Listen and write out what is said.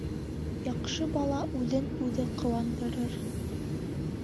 Яҡшы бала үҙен-үҙе ҡыуандырыр.